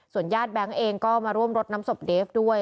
ญาติแบงค์เองก็มาร่วมรดน้ำศพเดฟด้วย